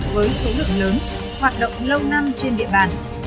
với số lượng lớn hoạt động lâu năm trên địa bàn